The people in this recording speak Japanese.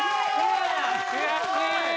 悔しい！